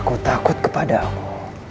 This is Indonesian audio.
kau takut kepada aku